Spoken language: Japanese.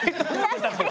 確かに。